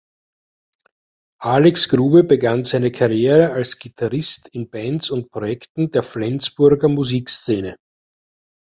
Alex Grube begann seine Karriere als Gitarrist in Bands und Projekten der Flensburger Musikszene.